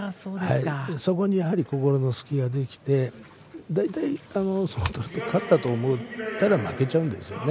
そこに心の隙ができて大体、相撲を取ると勝ったと思ったら負けちゃうんですよね。